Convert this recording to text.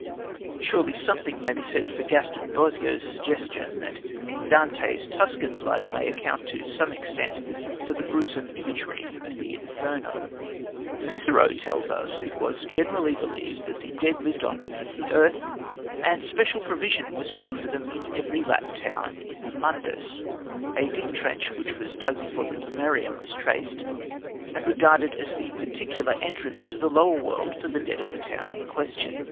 Surely something may be said for Gaston Boissier's suggestion that Dante's Tuscan blood may account to some extent for the gruesome imagery of the Inferno. Cicero tells us that it was generally believed that the dead lived on beneath the earth, and special provision was made for them in every Latin town in the "mundus," a deep trench which was dug before the "pomerium" was traced, and regarded as the particular entrance to the lower world for the dead of the town in question.